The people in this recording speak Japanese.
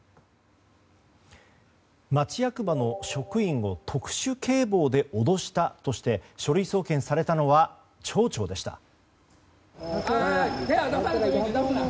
町役場の職員を特殊警棒で脅したとして書類送検されたのは町長でした。